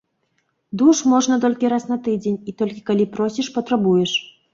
Душ можна толькі раз на тыдзень і толькі калі просіш-патрабуеш.